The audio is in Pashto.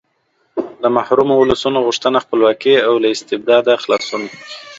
د محرومو ولسونو غوښتنه خپلواکي او له استبداده خلاصون و.